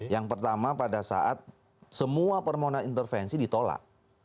yang pertama pada saat semua permohonan intervensi ditolak